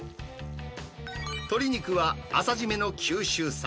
鶏肉は朝締めの九州産。